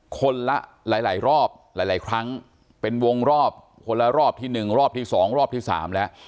คนละหลายหลายรอบหลายหลายครั้งเป็นวงรอบคนละรอบที่หนึ่งรอบที่สองรอบที่สามแล้ว